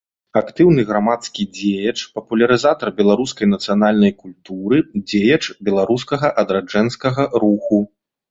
Актыўны грамадскі дзеяч, папулярызатар беларускай нацыянальнай культуры, дзеяч беларускага адраджэнскага руху.